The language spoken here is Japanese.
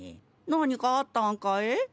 何かあったんかえ？